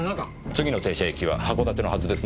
次の停車駅は函館のはずですね。